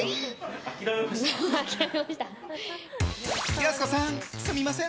やす子さん、すみません